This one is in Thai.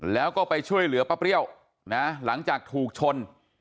แล้วก็ไปช่วยเหลือป้าเปรี้ยวนะหลังจากถูกชน